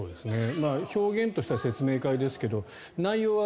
表現としては説明会ですが内容は